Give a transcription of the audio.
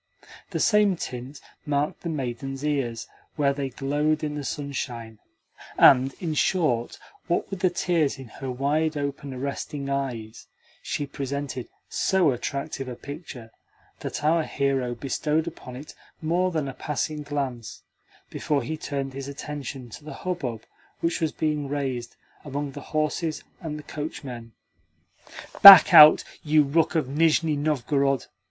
The same tint marked the maiden's ears where they glowed in the sunshine, and, in short, what with the tears in her wide open, arresting eyes, she presented so attractive a picture that our hero bestowed upon it more than a passing glance before he turned his attention to the hubbub which was being raised among the horses and the coachmen. "Back out, you rook of Nizhni Novgorod!"